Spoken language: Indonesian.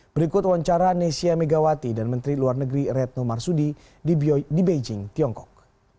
berikut wawancara nesia megawati dan menteri luar negeri retno marsudi di beijing tiongkok